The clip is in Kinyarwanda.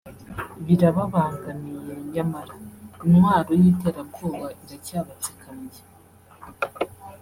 birababangamiye nyamara intwaro y’iterabwoba iracyabatsikamiye